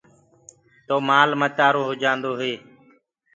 تو مآل متآرو هو جآندو هي۔